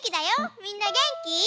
みんなげんき？